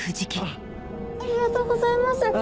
ありがとうございます。